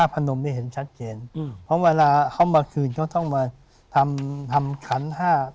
เพราะเว้าเขามาช่วยต้องมาทำทำครั้ง๕